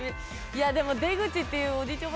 いやでも「出口」って言うおじいちゃん